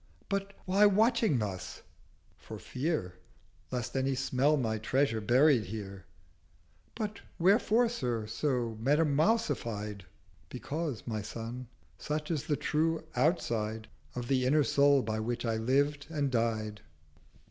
'—'But why watching thus?'—'For fear Lest any smell my Treasure buried here.' 'But wherefore, Sir, so metamousified?' 'Because, my Son, such is the true outside Of the inner Soul by which I lived and died.'